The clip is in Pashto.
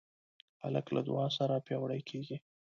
هلک له دعا سره پیاوړی کېږي.